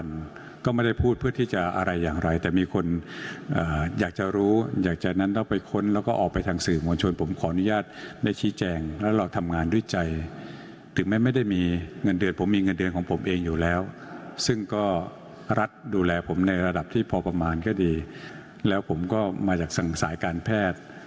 แล้วผมก็มาจากสังสายการแพทย์